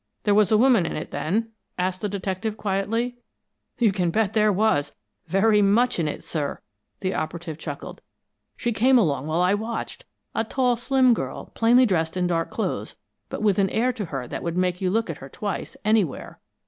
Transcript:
"There was a woman in it, then?" asked the detective, quietly. "You can bet there was very much in it, sir!" the operative chuckled. "She came along while I watched a tall, slim girl, plainly dressed in dark clothes, but with an air to her that would make you look at her twice, anywhere.